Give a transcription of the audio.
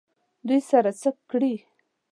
دوی سره څه کړي؟